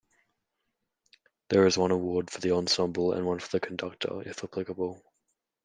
There is one award for the ensemble and one for the conductor, if applicable.